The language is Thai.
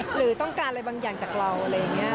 หรือต้องการอะไรบางอย่างจากเราอะไรอย่างนี้